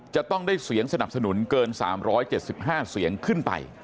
จะต้องได้เสียงสนับสนุนเกิน๓๗๕เสียงขึ้นไป